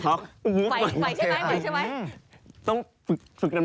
เขาว่ามา